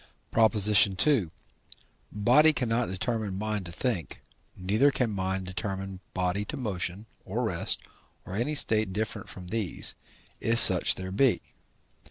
PROP. II. Body cannot determine mind to think, neither can mind determine body to motion or rest or any state different from these, if such there be.